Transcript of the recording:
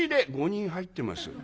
「５人入ってます」。